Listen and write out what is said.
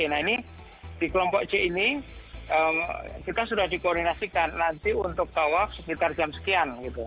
nah ini di kelompok c ini kita sudah dikoordinasikan nanti untuk tawaf sekitar jam sekian gitu